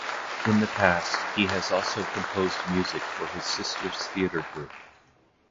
In the past he has also composed music for his sister's theater group.